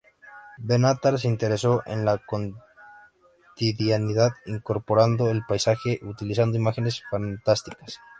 Benatar se interesó en la cotidianidad incorporando el paisaje utilizando imágenes fantásticas.